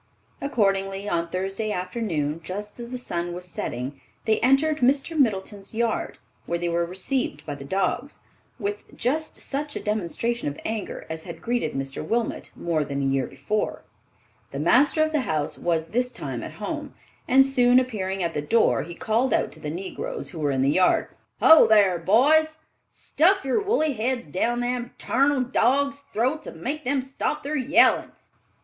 Accordingly on Thursday afternoon, just as the sun was setting, they entered Mr. Middleton's yard, where they were received by the dogs, with just such a demonstration of anger as had greeted Mr. Wilmot more than a year before. The master of the house was this time at home, and soon appearing at the door, he called out to the negroes who were in the yard, "Ho, thar, boys! Stuff your woolly heads down them tarnal dogs' throats and make them stop their yellin'!